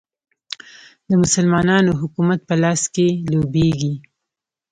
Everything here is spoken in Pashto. د مسلمانانو حکومت په لاس کې لوبیږي.